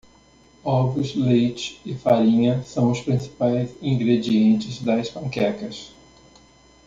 Ovos? leite e farinha são os principais ingredientes das panquecas.